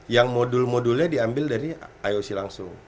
yang modul modulnya diambil dari ioc langsung